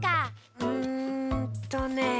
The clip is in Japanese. うんとね。